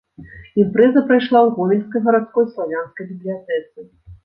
Імпрэза прайшла ў гомельскай гарадской славянскай бібліятэцы.